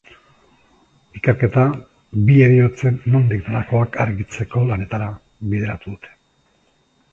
Ikerketa bi heriotzen nondik norakoak argitzeko lanetara bideratu dute.